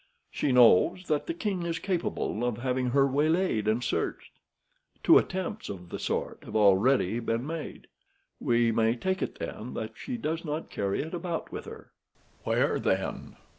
She knows that the king is capable of having her waylaid and searched. Two attempts of the sort have already been made. We may take it, then, that she does not carry it about with her." "Where, then?"